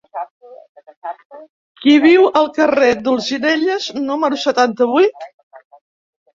Qui viu al carrer d'Olzinelles número setanta-vuit?